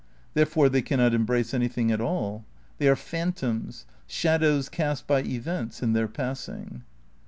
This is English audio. Therefore they cannot embrace anything at all. They are phantoms, shadows cast by events in their passing.